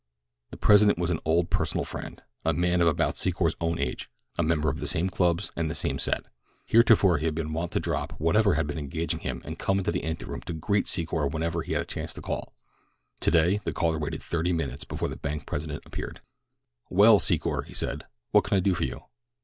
The president was an old personal friend, a man of about Secor's own age, a member of the same clubs and the same set. Heretofore he had been wont to drop whatever had been engaging him and come into the anteroom to greet Secor whenever he had chanced to call. Today the caller waited thirty minutes before the bank president appeared. "Well, Secor," he said, "what can I do for you?"